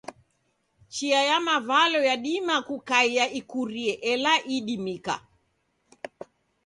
Chia ya mavalo yadima kukaiya ikurie, ela idimika.